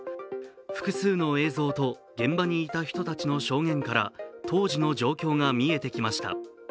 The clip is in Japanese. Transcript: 複数の映像と現場にいた人の証言から当時の状況が見えてきました。